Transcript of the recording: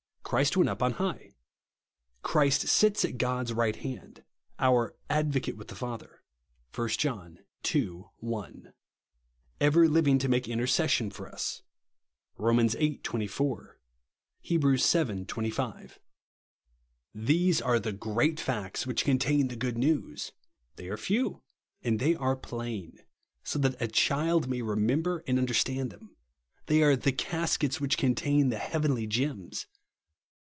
Christ went up on high. Christ sits at God's right hand, our " Advocate with the Father'* (1 John ii. 1), " ever living to make inter cession for us" (Rom. \iii. 24; Heb. vii. 25), OF THE SUBSTITUTE. 69 Tliese are the great facts wliicli contain the good news. They are few and they are plain ; so that a child may remember and miderstand them. They are the cas kets which contain the heavenly gems.